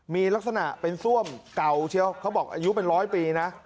มีลักษณะเป็นซ่วมเก่าเชียวเขาบอกอายุเป็นร้อยปีนะ